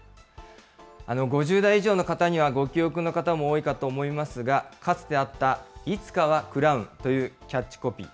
５０代以上の方にはご記憶の方も多いかと思いますが、かつてあった、いつかはクラウンというキャッチコピー。